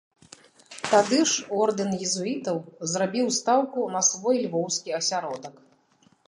Тады ж ордэн езуітаў зрабіў стаўку на свой львоўскі асяродак.